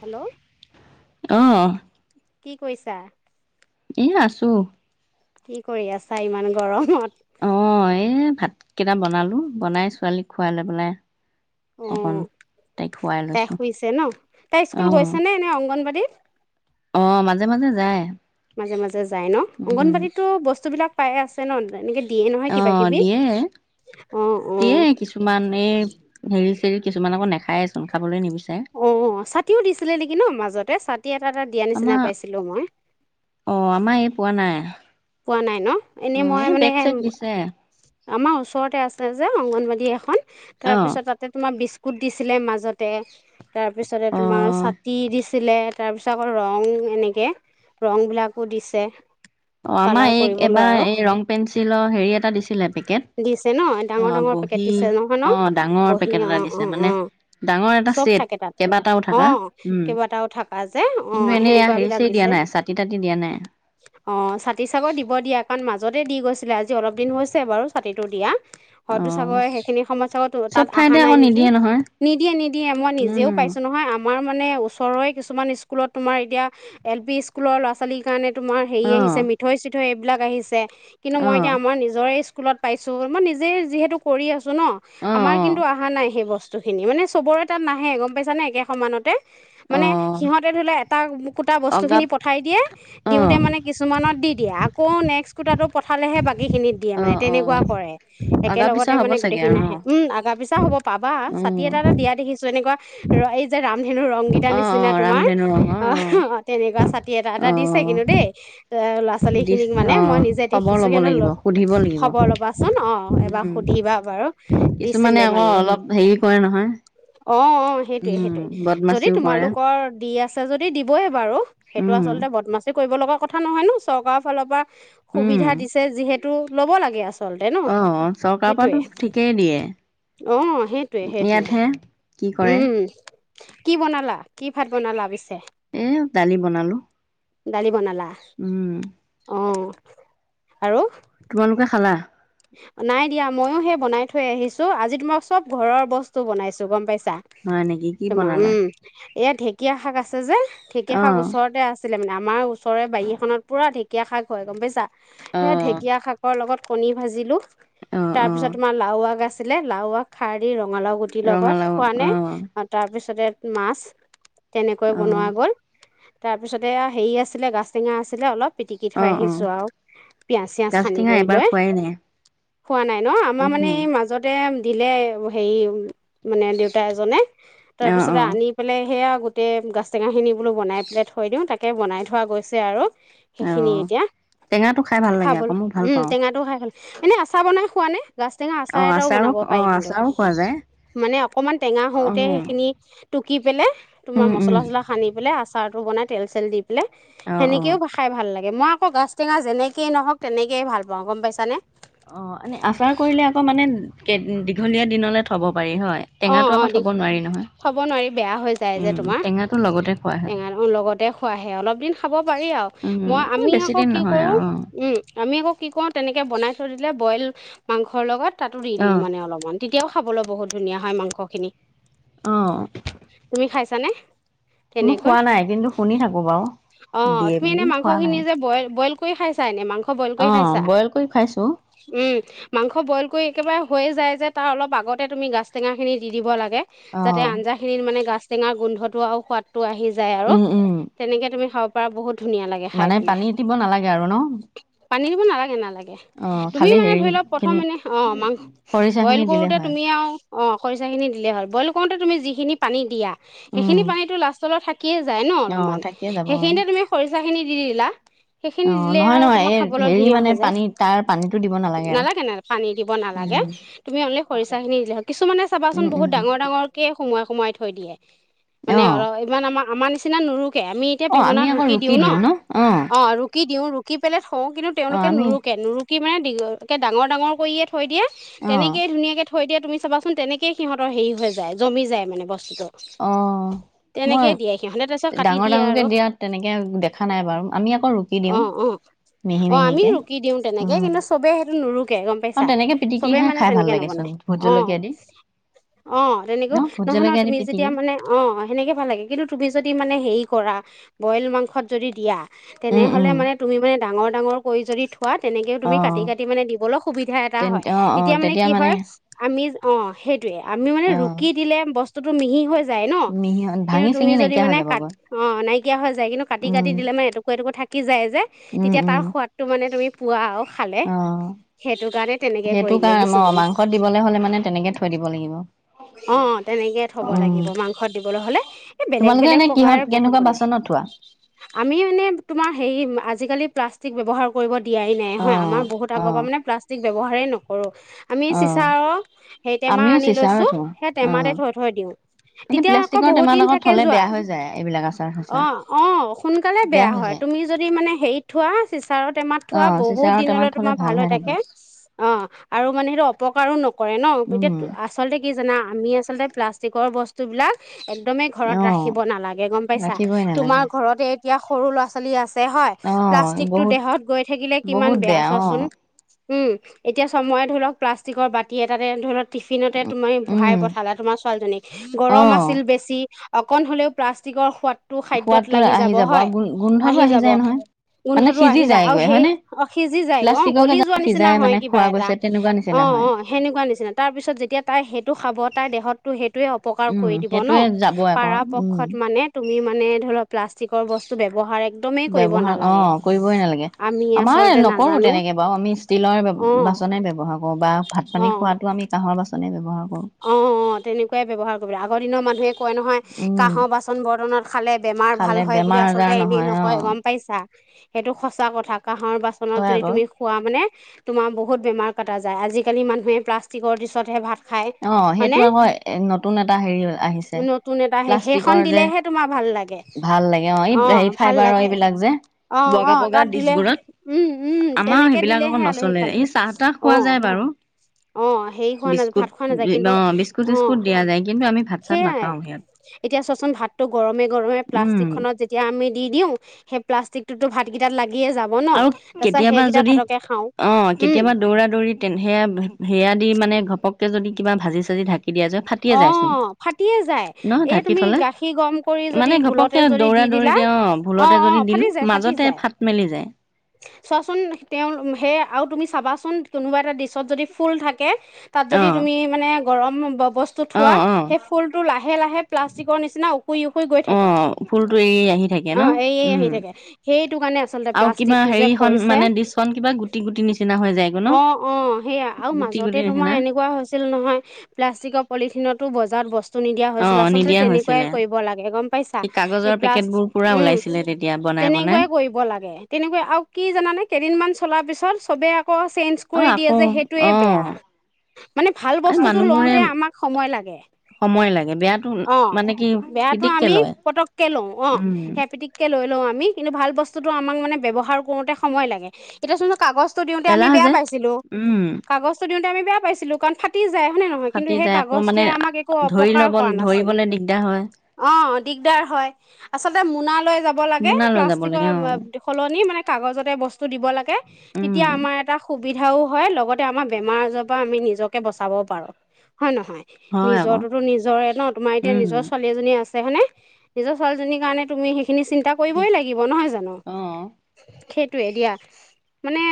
Hello! অহ কি কৰিছা? [unintelligible] আছো কি কৰি আছা ইমান গৰমত? অ', এই ভাত কেটা বনালোঁ, বনাই ছোৱালীক খুৱাই লৈ পেলাই অকন অ', তাই শুইছে ন? তাই স্কুল গৈছেনে এনেই অংগনবাদীত? অ', মাজে, মাজে যায়। মাজে মাজে যায় ন উম অংগনবাদীতো বস্তু বিলাক পায় আছে ন এনেকে দিয়ে নহয় কিবা অঁ কিবি দিয়ে অ', দিয়ে অ', কিছুমান এই হেৰি চেৰি কিছুমান আকৌ নাখাই চোন খাবলৈ নিবি অ ছাতিও দিছিলে নেকি ন মাজতে ছা [unintelligible] এটা এটা দিয়া নিচিনা আমাৰ পাইছিলো মই অঁ আমাৰ এই পোৱা নাই পোৱা নাই ন এনেই অঁ মই এই মানে বেগ চেগ দিছে আমাৰ ওচৰতে আছে যে অংগনবাদী এখন অঁ তাৰপিছত তাতে তোমাৰ বিচ কোট দিছিলে মাজতে তাৰপিছতে তোমাৰ অঁ ছাতি দি [unintelligible] তাৰপিছত আকৌ ৰং এনেকে ৰং বিলাকো দিছে অ', আমাৰ কালাৰ এইক কৰিবলৈ এবাৰ আৰু এই ৰং পেঞ্চিলৰ হেৰি এটা দিছিলে পেকেট। দিছে ন ডাঙৰ অ ডাঙৰ পেকেট বহী দিছে নহয় ন অ ডাঙৰ বহি পেকেট অ এটা অ দিছে অ মানে ডাঙৰ এটা চব ছেট থাকে তাত কেইবাটাও অ থকা উম কেইবাটাও থাকা যে অ কিন্তু এনে হেৰিছেই দিয়া নাই চাতি তাতি দিয়া নাই অ ছাতি চাগৈ দিব দিয়া কাৰণ মাজতে দি গৈছিলে আজি অলপ দিন হৈছে বাৰু ছাতিটো দিয়া অ হয়তো চাগৈ সেইখিনি সময় [unintelligible] তাত চব অহা ঠাইতে নাই আকৌ নেকি নিদিয়ে নহয় নিদিয়ে নিদিয়ে মই নিজেও পাই উম পাইছো নহয় আমাৰ মানে ওচৰৰে কিছুমান স্কুলত তোমাৰ এতিয়া এল পি স্কুলৰ লৰা ছোৱালীৰ কাৰণে তোমাৰ হেৰি অ আহিছে মিঠৈ, চিঠৈ এইবিলাক আহিছে কিন্তু অ মই এতিয়া আমাৰ নিজৰে স্কুলত পাইছোঁ মই নিজেই যিহেতু কৰি আছো ন অ আমাৰ অ কিন্তু অহা নাই সেই বস্তু বস্তুখিনি মানে চবৰে তাত নাহে গম পাইছানে একে সমানতে, অ মানে সিহঁতে ধৰি লোৱা এটা কুটা বস্তু খিনি অগাপ পঠাই দিয়ে অ দিওঁতে মানে কিছুমানত দি দিয়ে আকৌ নেক্স কুটাতো পঠালেহে বাকী খিনিত দিয়ে অ মানে অ তেনেকুৱা কৰে অগা পিছা একেলগতে হ'ব মানে গোটেই চাগে খিনি আৰু ন নাহে উম আগা পিছা হ'ব পাবা অ ছাতি এটা এটা দিয়া দেখিছো এনেকুৱা ৰামধেনুৰ ৰং গীতাৰ অ অ নিচিনা তোমাৰ ৰামধেনু ৰঙৰ অ তেনেকুৱা ছাতি এটা এটা দিছে কিন্তু দেই। ল'ৰা ছোৱালী খিনিক দিছে মানে মই আহ নিজে খবৰ দেখিছোঁ লব কিন্তু লাগিব সুধিব লাগিব খবৰ ল'বাচোন অ এবাৰ সুধিবা বাৰু উম। দিছিলে কিছুমানে মানে আকৌ অলপ হেৰি কৰে নহয় অ, ' অ সেইটোৱে উম, সেইটোৱে যদি বদমাচিও কৰে তোমালোকৰ দি আছে যদি দিবই বাৰু সেইটো উম। আচলতে বদমাচি কৰিব লগা কথা নহয় ন চৰকাৰৰ ফালৰ পৰা উম, সুবিধা দিছে যিহেতু ল'ব লাগে আ অ, ' চৰকাৰ পৰাতো ঠিকেই দিয়ে। অ', সেইটয়ে সেইটোৱে ইয়াতহে কি কৰে উম। কি বনালা কি ভাত বনালা পিছে? এ দালি বনালো। ডালি বনালা। উম। অ', আৰু তোমালোকে খালা। নাই দিয়া মইও সেই বনাই থৈ আহিছো আজিতো মই চব ঘৰৰ বস্তু বনাইছো গম পাইছা। হয় নেকি কি তোমাৰ বনালা? উম এয়া ঢেঁকীয়া শাক আছে যে ঢেঁকীয়া শাক অ', ওচৰতে আছে ছিলে মানে আমাৰ ওচৰৰে বাৰী এখনত পুৰা ঢেঁকীয়া শাক হয় গম পাইছা সেই অ', ঢেঁকীয়া শাকৰ লগত কণী ভাজিলো অ', তাৰ পিছত অ', তোমাৰ লাও আগ আছিলে লাও আগ খাৰ দি ৰ ৰঙালাও গুটিৰ লগত ৰঙালাও খোৱা নে অ', তাৰপিছতে মাছ তেনেকৈ বনোৱা অ', গ'ল তাৰপিছতে হেৰি আছিলে গাজ টেঙা আছিলে অলপ পিটিকি থৈ অ', আহিছো অ', আৰু পিয়াজ চিয়াজ সানি গাজটেঙা কৰি এবাৰ লৈ খোৱাই নাই খোৱা নাই ন আমাৰ মানে উম, এই মাজতে দিলে হেৰি মানে দেউতা এজনে অ', তাৰপিছতে অ', আনি পেলাই সেয়া গোটেই গাছ টেঙাখিনি বোলো বনাই পেলাই থৈ দিওঁ তাকে বনাই থোৱা গৈছে আৰু সেইখিনি অ', এতিয়া টেঙাটো খাই ভাল লাগে আকৌ খাবলৈ মই ভাল উম পাওঁ টেঙা টোও খাই ভাল এনে আচাৰ বনাই খোৱা নে? গাজ টেঙা আচাৰ অ', এটাও আচাৰো বনাব পাৰি অ', কিন্তু আচাৰো খোৱা যায় মানে অকমান টেঙা অ', হওঁতে সেইখিনি টুকি পেলাই উম, তোমাৰ উম, মছলা চছলা সানি পেলাই আচাৰটো বনাই তেল চেল দি অ', অ'। সেনেকেও খাই ভাল লাগে। [unintelligible] মই আকৌ গা টেঙা যেনেকেই নহওক তেনেকৈয়ে ভাল পাওঁ গম পাইছানে। অ', এনে আচাৰ কৰিলে আকৌ মানে দীঘলীয়া দিনলে থব পাৰি হয় অ টেঙাটো অ আকৌ দি থ'ব নোৱাৰি নহয়। থব নোৱাৰি বেয়া হৈ যায় যে উম তোমাৰ টেঙাটো লগতে খোৱা হয় টেঙাৰ লগতে খোৱাহে অলপ দিন খাব পাৰি আৰু উম মই এই আমি বেছি আকৌ দিন কি নহয় কৰো আৰু উম আমি আকৌ কি কৰো তেনেকে বনাই থৈ দিলে বইল মাংসৰ লগত তাতো দি অ দিওঁ মানে অলপমান তেতিয়াও খাবলৈ বহুত ধুনীয়া হয় মাংসখিনি অ',। জানে মই খোৱা [unintelligible] নাই কিন্তু শুনি থাকো বাৰু অ দিয়ে তুমি এনে বুলি মাংস খোৱা খিনি নাই যে বই বইল কৰি খাইছা এনে মাংস বইল অ কৰি খাইছা বইল কৰি খাইছো উম। মাংস বইল কৰি একেবাৰে হৈ যায় যে তাৰ অলপ আগতে তুমি গাজ টেঙা খিনি দি দিব লাগে অ যাতে আঞ্জাখিনিত মানে গাছ টেঙা গোন্ধটো আৰু সোৱাদ টো আহি যায় আৰু উম উম তেনেকে তুমি খাব পৰা বহুত ধুনীয়া লাগে খাই মানে পেলাই পানী দিব নালাগে আৰু ন পানী দিব নালাগে নালাগে। অ তুমি খালি মানে হেৰি ধৰি লওক প্ৰথম খিনি এনেই অ', মাংস খৰিচা বইল খিনি দিলে কৰোঁতে হয় তুমি আৰু অ খৰিচা খিনি দিলেই হ'ল বইল কৰোতে তুমি যিখিনি পানী দিয়া উম সেইখিনি পানীটো লাষ্টলৈ থাকিব থাকি যায় ন অ অলপমান থাকিয়ে যাব অ সেইখিনিতে তুমি খৰিচা খিনি দি দিলা অ সেইখিনি দিলে নহয় আৰু নহয় তোমাৰ এই খাবলৈ হেৰি ধুনীয়া মানে হৈ যায় পানী তাৰ পানীটো দিব আৰু নালাগে ন পানী দিব নালাগে। উম তুমি অললে খৰিচা খিনি দিলহ কিছুমানে উম চাবাচোন বহুত উম ডাঙৰ ডাঙৰকে সোমোৱাই সোমোৱাই থৈ দিয়ে, মানে অ ইমান আমাৰ আমাৰ নি নিচিনা নুৰুকে আমি এতিয়া অ আমি পিহনাত আকৌ ৰুকি দিও ন, দিওঁ অ অঁ ৰুকি দিও ৰুকি পেলে থওঁ কিন্তু অ তেওঁলোকে আমি নুৰুকে নুৰুকি মানে একে ডাঙৰ ডাঙৰ কৰিয়ে থৈ দিয়ে অ তেনেকেই ধুনীয়াকে থৈ দিয়ে তুমি চাবাচোন তেনেকে সিহঁতৰ হেৰি হৈ যায় জমি যায় মানে বস্তুতটো। অঁহ। মই সিহঁতে তাৰপিছত কাটি ডাঙৰ দিয়ে ডাঙৰকে আৰু দিয়া তেনেকে দেখা নাই বাৰু আমি আকৌ ৰুকি অ দিওঁ। অ মিহি অ মিহিকে আমিও ৰুকি দিও তেনেকে উম কিন্তু চবে সেইটো নুৰুকে গম আৰু পাইছা তেনেকে পিটিকি চবে খাই মানে খাই ভাল তেনেকে লাগেচোন নবনাই, অঁ। [unintelligible] অঁ ন তেনেকেও ভোট নহয় নহ জলকীয়া দি তুমি যেতিয়া পিটিকি মানে অঁ সেনেকে ভাল লাগে কিন্তু তুমি যদি মানে হেৰি কৰা বইল মাংসত যদি দিয়া উম তেনেহ'লে উম মানে তুমি মানে ডাঙৰ ডাঙৰ কৰি যদি খোৱা তেনেকেও অ তুমি কাটি কাটি মানে দিবলৈ সুবিধা এটা হয় তেন্তে অ অ তেতিয়া মানে কি হয়, আমি অঁ সেইটোৱে আমি মানে অ ৰুকি দিলে বস্তুটো মিহি হৈ যায় ন। মিহি কিন্তু ভাঙি তুমি চিঙি যদি নাইকিয়া হৈ মানে কাট যাবগৈ অ নাইকিয়া হৈ যায় কিন্তু কাটি কাটি উম দিলে মানে এটুকু এটুকু থাকি যায় যে, উম তেতিয়া উম তাৰ সোৱাদটো মানে তুমি পোৱা আও অ কৰি সেইটো দিয়ে কাৰণে অ কিছুমানে মাংস দিবলে হলে মানে তেনেকে থ থৈ দিব লাগিব। অঁ তেনেকে থব উম লাগিব মাংসত দিবলে হলে এ বেলেগ তোমালোকে বেলেগ এনে কিহত প্ৰকাৰে কেনেকুৱা বহুত বনায়। বাচনত থোৱা। আমি মানে তোমাৰ হেৰি আজিকালি প্লাষ্টিক ব্যৱহাৰ কৰিব দিয়াই নাই হয় অ', আমাৰ বহুত আগৰ পৰা অ', মানে প্লাষ্টিক ব্যৱহাৰেই নকৰোঁ। আমি অ', চিচাৰৰ টেমা আমিও আনি চিচাৰত লৈছো থওঁ সেই অ', টেমাতে থৈ থৈ দিও। এনে তেতিয়া আকৌ প্লাষ্টিকৰ বহুত টেমাত দিন আকৌ থাকে থলে যোৱা, বেয়া হৈ যায় এইবিলাক আচাৰ চাচাৰ অঁ অ সোনকালে বেয়া হৈ হয়। যায় তুমি যদি মানে হেৰিত থোৱা চিচাৰৰ টেমাত থোৱা অ', বহুত চিচাৰৰ টেমাত দিনলৈ থলে তোমাৰ ভাল হৈ থাকে, অঁ আৰু মানে সেইটো অপকাৰো নকৰে ন। এতিয়া উম, আচলতে কি জানা আমি আচলতে প্লাষ্টিকৰ বস্তুবিলাক একদমেই ঘৰত অ', ৰাখিব নালাগে গম পাইছা ৰাখিবই তোমাৰ নালাগে ঘৰতে এতিয়া সৰু ল'ৰা-ছোৱালী আছে হয় অ', প্লাষ্টিকটো বহুত দেহত গৈ থাকিলে কিমান বহুত বেয়া চোৱাচোন। অ', উম এতিয়া চময়ে ধৰি লওক প্লাষ্টিকৰ বাতি এটাতে ধৰি লওক টিফিনতে তুমি ভআই উম, পঠালা তোমাৰ ছোৱালীজনীক গৰম অ', আছিল বেছি অকণ হলেও প্লাষ্টিকৰ সোৱাদটো খাদ্যত সোৱাদটো লাগি আহি যাব আৰু হয়, গো গোন্ধটো আহি যাব। যায় নহয় মানে গোন্ধটো সিজি আহি যায় আৰু যায়গৈ সেই হয়নে? অ সিজি যায় গ অ প্লাষ্টিকৰ গলি কেইটা যোৱা নিচিনা সিজাই হয় মানে কিবা খোৱা এটা, গৈছে তেনেকুৱা নিচিনা অঁ। অ হয় অ সেনেকুৱা নিচিনা তাৰ পিছত যেতিয়া তাই সেইটো খাব তাই দেহতটো সেইটো এ অপকাৰ উম কৰি দিব ন সেইটোৱে যাবই আকৌ পাৰা উম পক্ষত মানে তুমি মানে ধৰি লক প্লাষ্টিকৰ বস্তু ব্যৱহাৰ একদমেই কৰিব ব্যৱহাৰ অ নালাগে কৰিবই নালাগে, আমি আমাৰ আচলতে নকৰো নাজানো তেনেকে বাও আমি ষ্টীলৰ অ বাচনে ব্যৱহাৰ কৰোঁ বা ভাত পানী অ খোৱাটো আমি কাঁহৰ বাচনে ব্যৱহাৰ কৰোঁ। অঁ অঁ তেনেকুৱাই ব্যৱহাৰ কৰিব লাগে আগৰ দিনৰ মানুহ কয় নহয় উম কাঁহৰ বাচন বৰ্তনত খালে বেমাৰ ভাল খালে হয় বুলি বেমাৰ আচলতে আজাৰ এনেই নহয় অ নকয় গম পাইছা। সেইটো সচা কথা কাঁহৰ বাচনত হয় যদি আকৌ তুমি খোৱা মানে তোমাৰ বহুত বেমাৰ কটা যায় আজিকালি মানুহে প্লাষ্টিকৰ দিচতহে ভাত খাই অ মানে, সেইটো আকৌ নতুন এটা হেৰি আহিছে নতুন এটা সে সেইখন প্লাষ্টিকৰ যে দিলেহে তোমাৰ ভাল লাগে। ভাল অ এই ভাল লাগে, অঁ হেৰি ভাল ফাইবাৰৰ লাগে। এইবিলাক যে অহ বগা অঁ বগা তাত দিলে, ডিচবোৰত উম উম আমাৰ তেনেকে সেইবিলাক আকৌ দিলেহে আলহীক নচলে ভাল এই লাগে। চাহ তাহ খোৱা যায় বাৰু অঁ হেৰি খোৱা নায ভাত খোৱা নাযায়। ব কিন্তু বিস্কুট অঁ চি্ুস্কুট দিয়া যায় কিন্তু আমি ভাত চাত সেয়াই নাখাওঁ সিয়াত এতিয়া চোৱাচোন ভাতটো গৰমে গৰমে উম প্লাষ্টিকখনত যেতিয়া আমি দি দিওঁ সেই প্লাষ্টিক প্লাষ্টিকটোতো ভাতকেইাত লাগ আৰু কেতিয়াবা যদি খাওঁ অঁ উম কেতিয়াবা দৌৰা দৌৰি সেয়া, সেয়া দি মানে ঘপককে যদি কিবা ভাজি চাজি ধাকি দিয়া য ফাটিয়ে যায় চোন অঁ ফাটিয়ে যায় ন এই ঢাকি তুমি থলে গাখীৰ গৰম কৰি যদি মানে ভুলতে ঘপকে যদি দি দৌৰা ধৰি দিলা তেও অ, অঁ ভুলতে অঁ যদি ফাটি দিলো যায় ফাটি মাজতে যায় ফাট মেলি যায়। চোৱাচোন তেও সেই আৰু তুমি চাবাচোন কোনোবা এটা ডিচত যদি ফুল থাকে। তাত অ যদি তুমি মানে গৰম বস্তু অ থোৱা অ সেই ফুলতটো লাহে - লাহে। প্লাষ্টিকৰ নিচিনাও শুই -শুই গৈ অ থাকে ফুলটো এৰি আহি থাকে অ, ন এই আহি উম থাকে সেইটো কাৰণে আচলতে আৰু প্লাষ্টিক কিবা যে হেৰিখন কৈছে মানে ডিচখন কিবা গুটি গুটি নিচিনা হৈ যায়গৈ ন অ - অ সেয়া আৰু গুটি মাজতে গুটি তোমাৰ নিচিনা এ হৈছিল নহয় প্লাষ্টিকৰ পলিতো বজত বস্তু। নি দিয়া অ হৈছিল আচলতে নিদিয়া তেনেকুৱাই হৈছিলে কৰিব লাগে গম পাইছা এই কাগজৰ প্লাছ পেকেট বোৰ পুৰা উম, ওলাইছিলে তেতিয়া বনাই বনাই তেনেকুৱাই কৰিব লাগে তেনেকুৱা আৰু কি জানানে কেইদিন মমান চলাৰ পিছত চবে। আ চেঞ্জ অ কৰি দিয়ে আকৌ যে সেইটোৱে অ বেয়া মানে ভাল এই বস্তুটো মানুহবোৰে লওতে আমাক সময় লাগে। সময় লাগে বেয়াটো অ, মানে কি বেয়াতো পিটিককে আমি লয় পতককে লো অ, উম সেই পিতিকে লৈ লও আমি কিন্তু ভাল বস্তুো আমাক মানে ব্ৱহাৰ কৰোতে সময় লাগে এতিয়া। কাগছ টো দিওতে আমি এলাহ বেয়া যে পাইছিলো উম - কাগছ টো দিওতে আমি বেয়া পাইছিলো কাৰণ ফাটি জাই। হয় নে নহয় ফাটি সেই যায় আকৌ মানে কাগচটোই আমক একো ধৰি অপকাৰ ল'ব কৰা নাছিল ধৰিবলে দিগদাৰ হয় অ, অ, দিগদাৰ হয় আচলতে মোনালৈ যাব লাগে মোনা লৈ যাব প্লাষ্টিকৰ লাগে অ সলনি মানে কাগজৰ বস্তু দিব লাগে উম তেতিয়া আমাক এটা সুবিধাও হয় লগতে আমাৰ বেমাৰ আজাৰৰ পৰা আমি নিজকে বচাবও পাৰো। হয় নহয় হয় আকৌ নিজটোতো নিজৰে ন তোমাৰ এতিয়া উম নিজৰ ছোৱালী এজনী আছে। হয়নে নিজৰ ছোৱালীৰ কাৰণে তুমি শ খিনি চিন্তা কৰিবই ঠিক লাগিব নহয় জানো। অ দিয়া মানে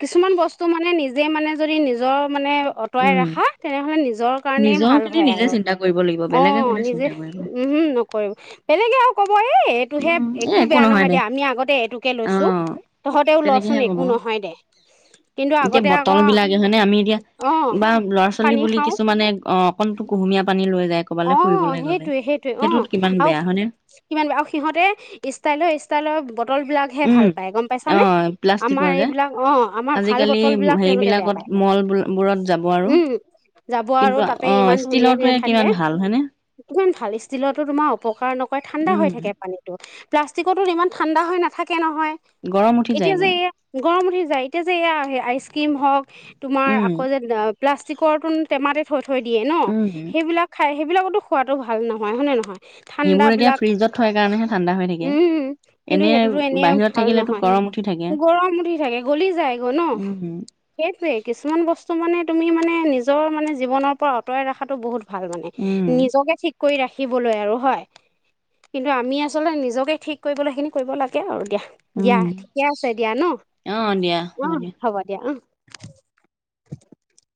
কিছুমান বস্তু মানে নিজে মানে যদি নিজৰ। মানে অতৰাই উম ৰাখা তেনেহ'লে নিজ নিজৰ ভাল খিনি হয় নিজে আৰু চিন্তা কৰিব লাগিব অ, বেলেগে কোনে নিজে চিন্তা কৰিব উম, নকৰিব বেলেগে আৰু ক এ এইটোহে উম এ একো বেয়া নহয় দে দিয়া আমি আগতে এইটোকে অ লৈছো। তহতেও লচোন তেনেকেহে একো কব নহয় দে। কিন্তু এতিয়া আগতে বটল আকৌ বিলাকে হয় নে আমি এতিয়া অঁ বা ল'ৰা ছোৱালী পানী বুলি খাওঁ কিছুমানে অকনো কুহুমীয়া পানী লৈ যায় ক'বালৈ অ, ফুৰিবলৈ গ'লে সেইটয়ে - সেইটয়ে অ, সেইটোত কিমান আৰু বেয়া হয়নে কিমান ব আৰু সিহতে ষ্টাইলৰ - ষ্টাইলৰ বটল বিলাকহে উম ভাল পায় গম অ পাইছাানে প্লাষ্টিকৰ আমাৰ যে এইবিলাক অ আমাৰ ভাল আজিকালি বটল বিলাক তেওলোকে বেয়া হেৰিবিলাকত পায়। মল বোৰত যাব আৰু উম যাব আৰু কিন্তু তাতে অ ধুনীয়া ধুনীয়া ষ্টিলতে থাকে কিমান ভাল হয়নে ইমান ভাল ষ্টিলতো তোমাৰ উপকাৰ নকৰে ঠাণ্ডা উম হৈ থাকে পানীতো প্লাষ্টিকতো ইমান ঠাণ্ডা হৈ নাথাকে নহয় গৰম উঠি এতিয়া যে যায়গৈ গৰম। এতিয়া যে এয়া আইচ ক্ৰীম হওক তোমাৰ উম আকৌ যে প্লাষ্টিকৰ তো টেমাতে থ থৈ দিয়ে ন উম সেইবিলাক খাই সেইবিলাকতো খোৱাটো ভাল নহয় হয়নে নহয়। ঠাণ্ডা সেইবোৰ এতিয়া বিলাক ফ্ৰিজত থয় কাৰণেহে ঠাণ্ডা হৈ থাকে উম, কিন্তু এনে সেইটোতো এনে বাহিৰত ভাল থাকিলেতো নহয়। গৰম উঠি থাকে গৰম উঠি থাকে গলি যায় গ ন। উম সেইটোৱে কিছুমান বস্তু মানে তুমি মানে নিজ নিজৰ মানে জীৱনৰ পৰা অতৰাই ৰখাতটো বহুত ভাল মানে উম নিজকে কৰি ৰাখিবলৈ আৰু হয়। কিন্তু আমি আচলতে নিজকে ঠিক কৰিবলৈখিনি কৰিব লাগে আৰু দিয়া দিয়া উম ঠিকে আছে দিয়া ন অ, হ'ব দিয়া অ, [inaudible]